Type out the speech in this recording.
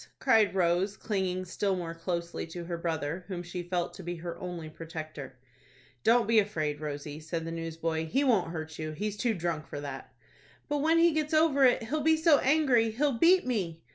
cried Rose, clinging still more closely to her brother, whom she felt to be her only protector. "Don't be afraid, Rosie," said the newsboy. "He won't hurt you. He's too drunk for that." "But when he gets over it, he'll be so angry, he'll beat me."